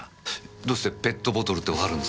どうしてペットボトルってわかるんですか？